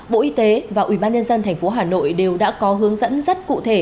bộ y tế và ubnd tp hà nội đều đã có hướng dẫn rất cụ thể